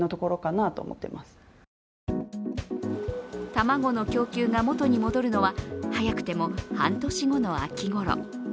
卵の供給が元に戻るのは早くても半年後の秋ごろ。